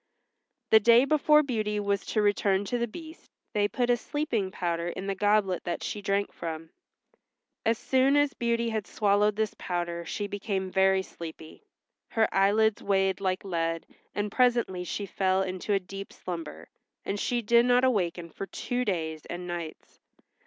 The day before Beauty was to return to the Beast they put a sleeping powder in the goblet that she drank from. As soon as Beauty had swallowed this powder she became very sleepy. Her eyelids weighed like lead, and presently she fell into a deep slumber, and she did not awaken for two days and nights.